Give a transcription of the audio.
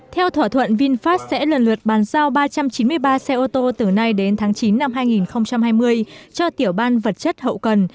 theo thỏa thuận vinfast sẽ lần lượt bàn giao ba trăm chín mươi ba xe ô tô từ nay đến tháng chín năm hai nghìn hai mươi cho tiểu ban vật chất hậu cần